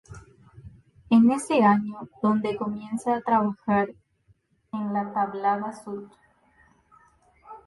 Es en ese año donde comienza a trabajar en la "Tablada Suite".